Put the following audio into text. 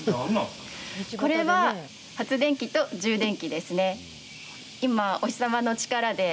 これは発電機と充電池ですね。